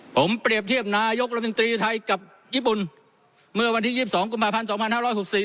ผมเปรียบเทียบนายกรัฐมนตรีไทยกับญี่ปุ่นเมื่อวันที่ยี่สิบสองกุมภาพันธ์สองพันห้าร้อยหกสี่